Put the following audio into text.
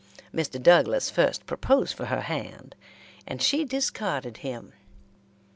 Mr. Douglas first proposed for her hand, and she discarded him.